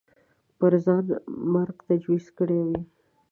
پر ځای مرګ تجویز کړی وي